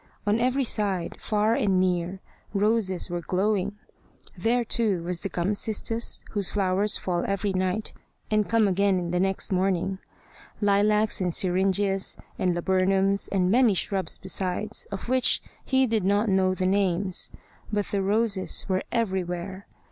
On every side, far and near, roses were glowing. There too was the gum cistus, whose flowers fall every night and come again the next morning, lilacs and syringas and laburnums, and many shrubs besides, of which he did not know the names; but the roses were everywhere.